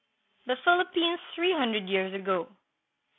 THE PHILIPPINES THREE HUNDRED YEARS AGO.